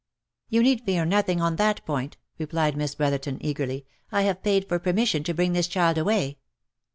" You need fear nothing on that point," replied Miss Brotherton, eagerly, " I have paid for permission to bring this child away."